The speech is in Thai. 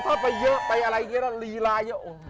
ถ้าเยอะไปอะไรเรียนแล้วรีลาย